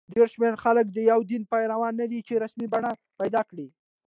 ډېر شمېر خلک د یو دین پیروان نه دي چې رسمي بڼه پیدا کړي.